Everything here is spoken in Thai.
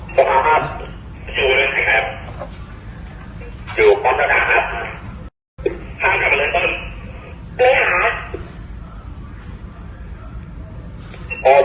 สวัสดีครับอยู่ไหนครับอยู่กรอบราศาสตร์ครับใช่ครับดีครับ